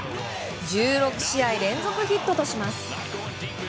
１６試合連続ヒットとします。